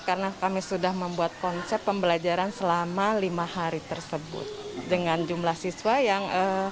karena kami sudah membuat konsep pembelajaran selama lima hari tersebut dengan jumlah siswa yang tujuh ratus empat puluh lima